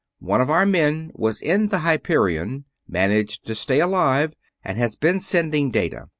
One of our men was in the Hyperion, managed to stay alive, and has been sending data.